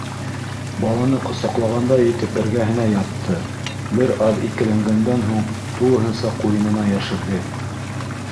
Баланы ҡосаҡлағандай итеп эргәһенә ятты, бер аҙ икеләнгәндән һуң тулыһынса ҡуйынына йәшерҙе.